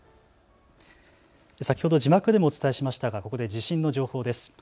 先ほど字幕でもお伝えしましたがここで地震の情報です。